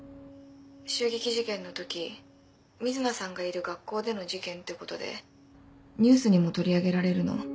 襲撃事件の時瑞奈さんがいる学校での事件ってことでニュースにも取り上げられるの。